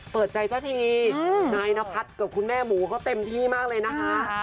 เปิดใจซะทีนายนพัฒน์กับคุณแม่หมูเขาเต็มที่มากเลยนะคะ